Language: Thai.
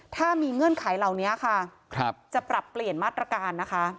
ถ้ามีเงื่อนไขเหล่านี้ค่ะจะปรับเปลี่ยนมาตรการนะคะ